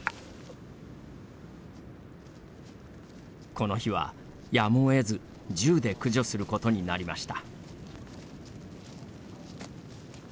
この日は、やむをえず銃で駆除することになりました。